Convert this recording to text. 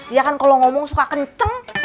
iya kan kalau ngomong suka kenceng